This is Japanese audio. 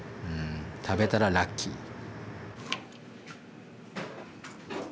食べたらラッキー。